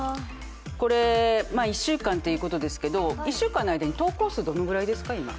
１週間ということですけど１週間の間で投稿数どのくらいですか？